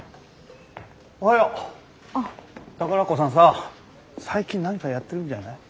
宝子さんさ最近何かやってるんじゃない？